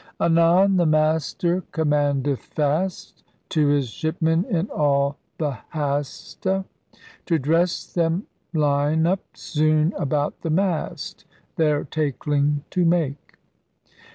Anon the master commandeth fast To his ship men in all the hast[e]. To dresse them [line up] soon about the mast Their takeling to make.